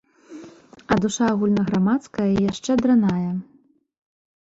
А душа агульнаграмадская яшчэ драная!